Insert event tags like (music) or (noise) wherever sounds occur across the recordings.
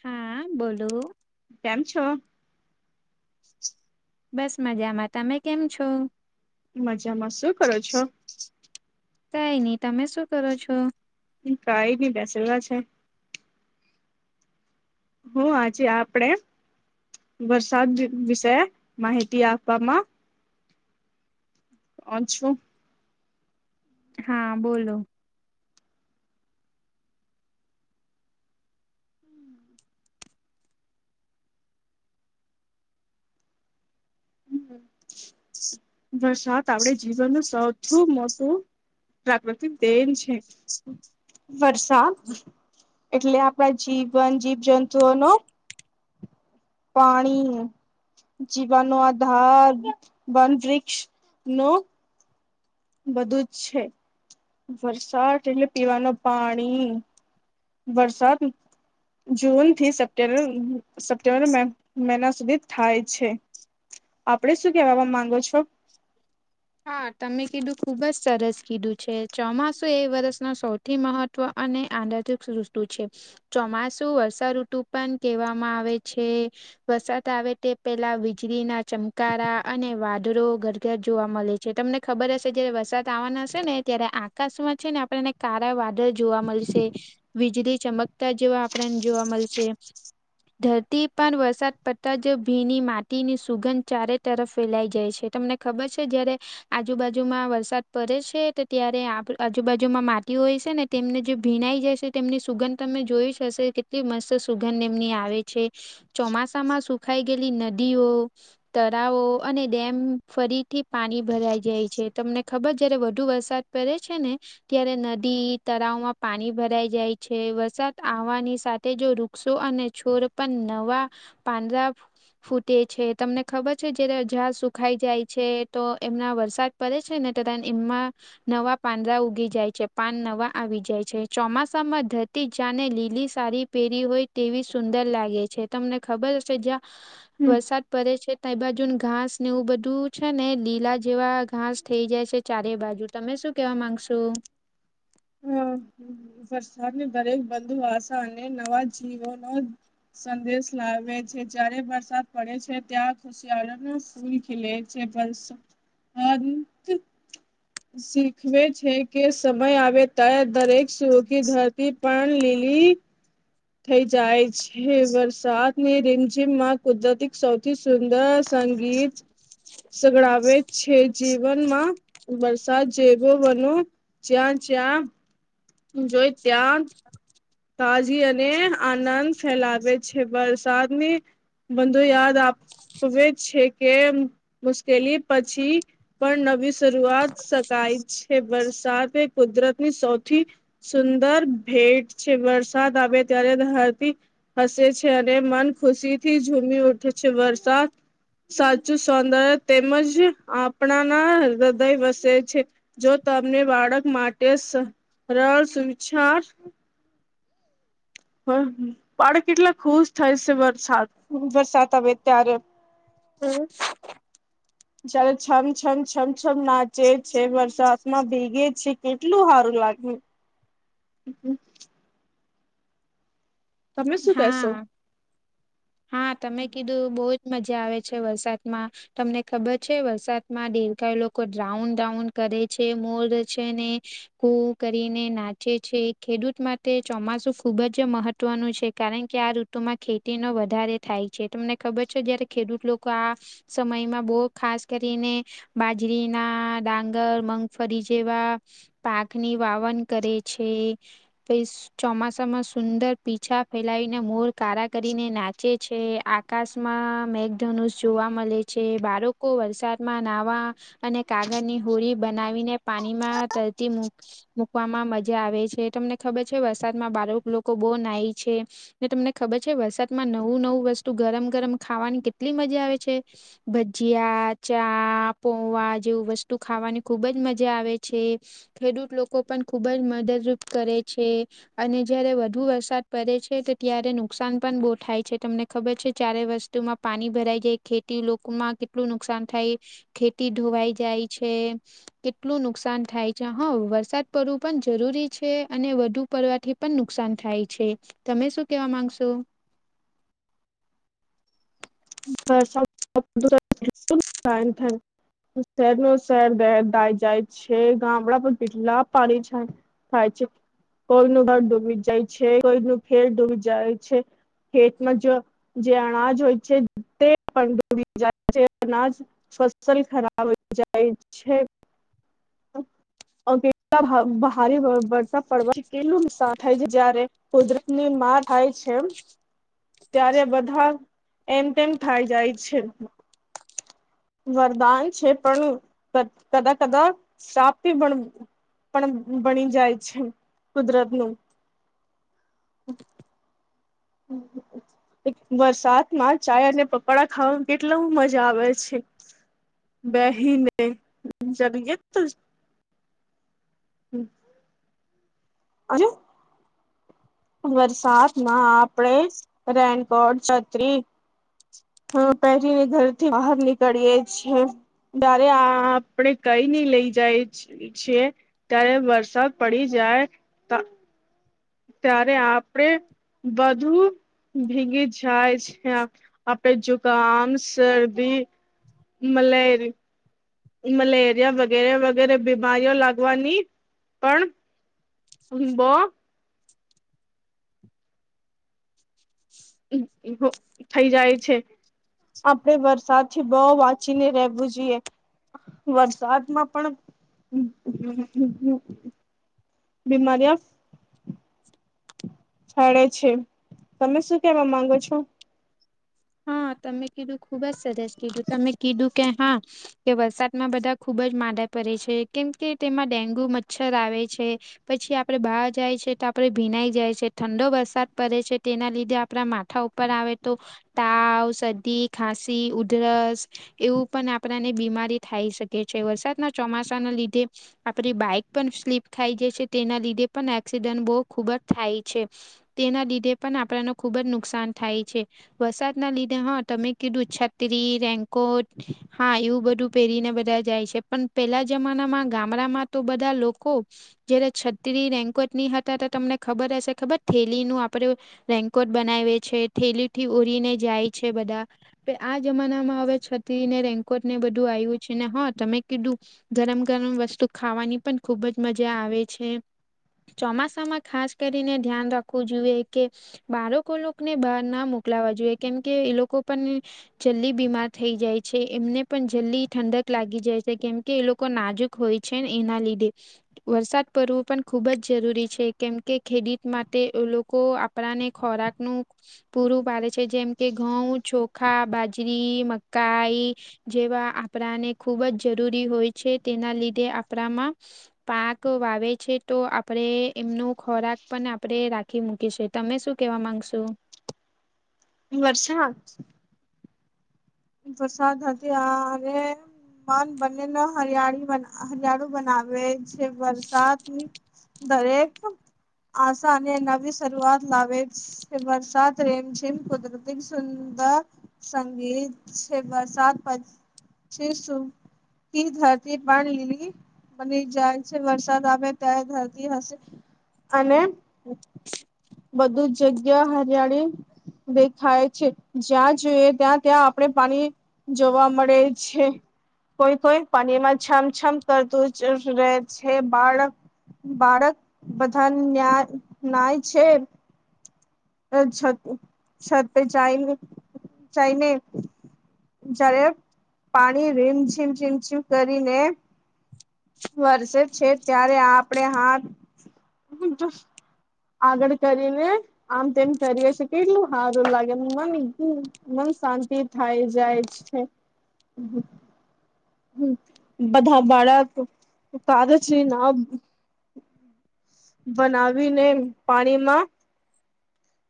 હા બોલો કેમ છો બસ મજામાં તમે કેમ છો મજામાં શું કરો છો કઈ નઈ તમે શું કરો છો કઈ બી બેસેલા છે હ આજે આપણે વરસાદ વિશે માહિતી આપવામાં પાછું હા બોલો વરસાત આપડે જીવનનું સૌથી મોટું પ્રાકૃતિક તેન છે. વરસાદ એટલે આપણા જીવન જીવ જંતુઓનો પાણી જીવાનો આધાર વન વૃક્ષ નો બધું જ છે વરસાદ એટલે પીવાનું પાણી વરસાદ જૂન થી સપ્ટેમ્બર સપ્ટેમ્બર મહિના સુધી થાય છે આપડે શું કેવાવા માંગો છો હા તમે કીધું ખુબ જ સરસ કીધું છે ચોમાસું એ વર્ષનો સૌ થી મહત્વ અને આંદર્ તુ છે. ચોમાસુ વર્ષાઋતુ પણ કેહેવામાં આવે છે વરસાદ આવે તે પેલા વીજળીના ચમકારા અને વાદળો ઘરઘર જોવા મળે છે. જે તમને ખબર હશે જયારે વરસાદ આવવાના હશે ને ત્યારે આકાશમાં છે ને આપડને કાળા વાદળ જોવા મળશે વીજળી ચમકતા જેવા આપણને જોવા મળશે ધરતી પર વરસાદ પડતા જ ભીની માટીની સુગંધ ચારે તરફ ફેલાઈ જાય છે તમને ખબર છે જયારે આજુબાજુમાં વરસાદ પડે છે તો ત્યારે આજુબાજુમાં માટી હોય છે ને તેમને જે ભીણઈ જશે તેમની સુગંધ તમે જોઈ શશે કેટલી મસ્ત સુગંધ એમની આવે છે. ચોમાસા માં સુખાઈ ગેલી નદીઓ તરાાવો અને ડેમ ફરીથી પાણી ભરાઈ જાય છે તમને ખબર જયારે વધુ વરસાદ પડે છે ને ત્યારે નદી તળાવમાં પાણી ભરાઈ જાય છે વરસાદ આવવાની સાથે જો ર શું અને છોર પણ નવા પાંદરા ફૂટે છે તમને ખબર છે જ્યારે સુખાઈ જાય છે તો એમના વરસાદ પડે છે ને તા એમમાં નવા પાંદડા ઉગી જાય છે પાન નવા આવી જાય છે ચોમાસામાં ધરતી જાને લીલી સારી પહેરી હોય તેવી સુંદર લાગે છે તમને ખબર હશે જ્યા હમ. વરસાદ પડે છે ત બાજુ ઘાસ ને એવું બધું છે ને લીલા જેવા ઘાસ થઈ જાય છે ચારે બાજુ તમે શું કેવા માંગશો (inaudible) વરસાદને દરેક બંધુ આસા અને નવા જીવનો સંદેશ લાવે છે જયારે વરસાદ પડે છે ત્યાં સયળા ના ફૂલ ખલે છે બસ શીખવે છે કે સમય આવે દરેક સુઓ ક ધરતી પણ લીલી થઈ જાય છે. વરસાદની રીમઝીમમાં કુદરતી સૌથી સુંદર સંગીત સગડાવે છે જીવનમાં વરસાદ જેવો બનો જ્યાં જ્યાં જોઈ ત્યાં તાજી અને આનંદ ફેલાવે છે વરસાદની બંધો યાદ આપવે છે કે મુશ્કેલી પછી પણ નવી શરૂઆત શકાય છે વરસાદ એ કુદરતની સૌથી સુંદર ભેટ છે વરસાદ આવે ત્યારે ધરતી હસે છે અને મન ખુશી થી ઝૂમી ઉઠે છે વરસાદ સાચું સૌંદર્ય તેમજ આપણાના હૃદય વસે છે જો તમને બાળક માટે સરળ સુચાર બાળ કેટલા ખુશ થાય છે વરસાદ વરસાદ આવે ત્યારે હમ (inaudible) જારે છમ છમ છમછમ નાચે છે વરસાદ માં ભેગે છે કેટલું સારું લાગે (inaudible) હમ તમે શું કશો. હા હા તમે કીધું બહુજ મજા આવે છે વરસાદમાં તમને ખબર છે વરસાદ માં દેરકાય લોકો ડ્રાઉન ડ્રાઉન કરે છે મોર છે ને કરીને નાચે છે ખેડૂત માટે ચોમાસુ ખુબ જ મહત્વનું છે. કારણ કે આ ઋતુમાં ખેતીનો વધારે થાય છે તમને ખબર છે જયારે ખેડૂત લોકો આ સમયમાં બહુ ખાસ કરીને બાજરીના ડાંગર મગફળી જેવા પાકની વાવન કરે છે પ ચોમાસામાં સુંદર પીછા ફેલાવીને મોર કા કરીને નાચે છે આકાશમાં મેગથનુશ જેવા મડેછે છે બાળકો વરસાદમાં નાવા અને કાગળની હોરી બનાવીને પાણીમાં તરતી મૂકે મૂકવામાં મજા આવે છે તમને ખબર છે વરસાદમાં બાળુક લોકો બહુ નાહી છે. ને તમને ખબર છે વરસાદમાં નવું નવું વસ્તુ ગરમ ગરમ ખાવાની કેટલી મજા આવે છે. ભજીયા ચા પોવા જેવું વસ્તુ ખાવાની ખુબ જ મજા આવે છે. ખેડૂત લોકો પણ ખુબ જ મદદરૂપ કરે છે અને જયારે વધુ વરસાદ પરે છે તો ત્યારે નુકસાન પણ બહુ થાય છે તમને ખબર છે ચારે વસ્તુમાં પાણી ભરાઈ જાય ખેતી લોકોમાં કેટલું નુકસાન થાય ખેતી ધોવાઈ જાય છે કેટલું નુકસાન થાય છે હા વરસાદ પડવું પણ જરૂરી છે અને વધુ પડવાથી પણ નુકસાન થાય છે તમે શું કેવા માંગશો હ સ દધન થન (unintelligible) શહેર ન શહેર દ દાય જાય છે ગામડા પર પીટલા પાણી છે. થાય છે કોઈનું ઘર ડૂબી જાય છે કોઈ ન ફેર ડૂબી જાય છે. ખેતમાં જ જે અનાજ હોય છે તે પણ જાય છે અનાજ ફસલ ખરાબ જાય છે. (inaudible) કેટલા ભારે વરસાદ પડવા કેટલું હિસ્સા થાય છે જારે કુદરત ની માં થાય છે એમ ત્યારે બધા એમ તેમ થાય જાય છે. વરદાન છે, પણ કદા કદાપી પણ પણ બની જાય છે, કુદરત નું (unintelligible) વરસાદમાં ચાાય અને પપોડા ખાવાવામાં કેટલી મજા આવે છે. બેહીને ચ એ આજે વરસાદમાં આપડે રેનકોટ છત્રી (inaudible) હ પહેરીને ઘરથી બહાર નીકળીયએ છીએ જ્યારે આપ આપણે કઈ નઈ લઈ જાય છીએ, ત્યારે વરસાદ પડી જાય ત્યારે આપડે બધું ભીગી, થાય છે, આપડે જુકામ શરદી મલેરી મલેરિયા વગેરે વગેરે બીમારીઓ લાગવાની, પણ હ બો (unintelligible) (unintelligible) થઈ જાય છે, આપડે વરસાદ પછી બહુ વાંચીને રહેવું જોઈએ. વરસાદમાં પણ (unintelligible) બીમારિયા થડે છે, તમે શું કેવા માંગો છો? હા, તમે કીધું ખુબજ સજેસ્ટ કીધું તમે કીધું કે હા કે વરસાદમાં બધા ખુબ જ માનદા પડે છે, કેમ કે તેમાં ડેન્ગુ મચ્છર આવે છે. પછી આપડણે બહર જાય છે તો આપડે ભીનાઈ જાય છે, ઠંડો વરસાદ પડે છે તેના લીધે આપડા મા ઉપર આવે તો તાવ સરદી, ખાંસી, ઉધરસ, એવું પણ આપણાને બીમારી થાય શકે છે, વરસાદના ચોમાસાના લીધે આપડી બાઈક પણ સ્લીપ થાઈ જાય છે, તેના લીધે પણ એક્સિડન્ટ બહુ ખૂબ જ થાય છે. તેના લીધે પણ આપણાને ખુબ જ નુકસાન થાય છે. વરસાદ ના લીધે હા તમે કીધું છત્રી રેનકોટ હા એવું બધું પહેરીને બધા જાય છે, પણ પેલા જમાનામાં ગામડામાં તો બધા લોકો જયારે છત્રી રેન્કોટની હતા, તો તમને ખબર હશે ખબર થેલીનું આપડે રેન્કોટ બનાવે છે ઠેલી થી ઉરીને જાય છે, બધા આ જમાના માં હવે છતીને રેન્કોટ ને બધું આવ્યું છે, ને હા તમે કીધું ગરમ ગરમ વસ્તુ ખાવાની પણ ખુબ જ મજા આવે છે, ચોમાસામાં ખાસ કરીને ધ્યાન રાખવું જોઈએ, કે બાળકો લોકોને બહાર ના મોકલાવા જોઈએ, કેમ કે એ લોકો પણ જલ્દી બીમાર થઈ જાય છે, એમને પણ જલ્દી ઠંડક લાગી જાય છે કેમકે એ લોકો નાજુક હોય છે, ને એના લીધે વરસાદ પડવું પણ ખુબ જ જરૂરી છે, કેમ કે ખેડૂત માટે લોકો કપડા ને ખોરાક નું પૂરું વારે છે, જેમ કે ઘઉં, ચોખા, બાજરી, મકાઈ, જેવા આપણાને ખુબ જ જરૂરી હોય છે, તેના લીધે આપણામાં પાક વાવે છે તો આપણેે એમનો ખોરાક પણ આપણે રાખી કી મૂકી છે, તમે શું કેવા માંગશો? વર્ષા વરસાદ હતી અરે મન બનેને હરિયાળી હરિયાળુ બનાવે છે, વરસાદની દરેક આસા અને નવી શરૂઆત લાવે વરસાદ રીમઝીમ કુદરતી સુંદર સંગીત છે, વરસાદ પ સુકી ધરતી પણ લીલી મને જાય છે, વરસાદ આવે ત્યારે ધરતી હશે અને (unintelligible) બધું જગ્યા હરિયાળી દેખાય છે, જ્યાં જોઈએ ત્યાં ત્યાં આપણે પાણી જોવા મળે છે. કોઈ કોઈ પાણીમાં છમછમ કરતું જ રહે છે, બાળક બાળક બધા ન્યાય નાયાય છે. અ છ છ તે ચાયને ચાયને જયારે પાણી રીમ છઝીમ ઝીમ ઝીમ કરીને વર્સેે છે ત્યારે આપડે હા આગળ કરીને આમ તેમ કરી હ છે કેટલું સારું લાગે મન એક મન શાંતિ થાય જાય છે હ હ હમ બધા બાળક કાગશ્રી ના બનાવીને પાણીમાં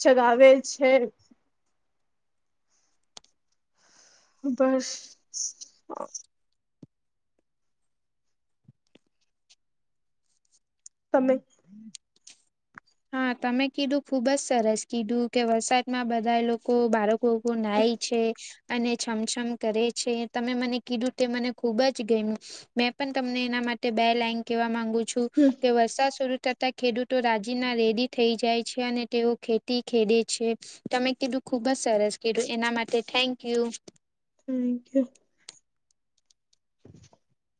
ચગાવે છે બસ (inaudible) તમે હા તમે કીધું ખુબ જ સરસ કીધું કે વરસાદ માં બધા લોકો બાર લોકો નાઈ છે અને છમછમ કરે છે તમે મને કીધું તે મને ખુબ જ ગમ્યું મેં પણ તમને એના માટે બે લાઈન કેવા માંગુ છું કે વરસાદ શરૂ થતા ખેડૂતો જે ના રેડી થઈ જાય છે અને તેઓ ખેતી ખેડે છે તમે કીધું ખુબ જ સરસ કીધું એના માટે થેન્ક યુ થમક (inaudible) (inaudible)